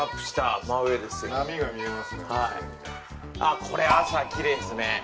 あっこれ朝きれいですね。